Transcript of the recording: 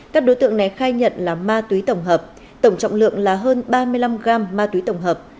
các đối tượng này khai nhận là ma túy tổng hợp tổng trọng lượng là hơn ba mươi năm gram ma túy tổng hợp